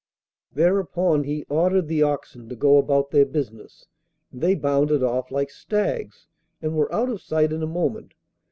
Thereupon he ordered the oxen to go about their business, and they bounded off like stags, and were out of sight in a moment.